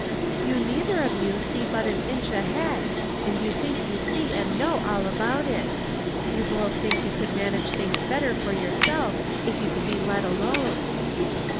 " You neither of you see but an inch ahead, and you think you see and know all about it. You both think you could manage things better for your self if you could be let alone."